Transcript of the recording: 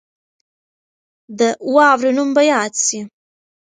د واورې نوم به یاد سي.